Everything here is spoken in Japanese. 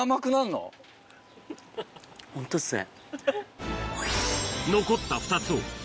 ホントですね。